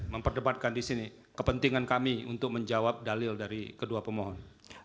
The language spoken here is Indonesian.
memperdebatkan di sini kepentingan kami untuk menjawab dalil dari kedua pemohon